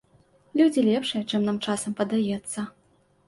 Людзі лепшыя, чым нам часам падаецца.